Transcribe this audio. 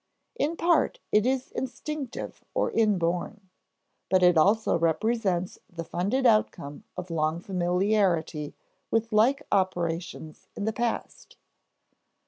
In part it is instinctive or inborn; but it also represents the funded outcome of long familiarity with like operations in the past.